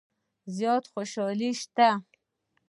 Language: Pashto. زیاته خوشي شته .